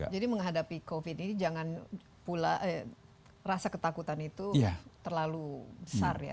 jadi menghadapi covid ini jangan pula rasa ketakutan itu terlalu besar ya